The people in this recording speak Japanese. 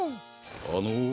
あの。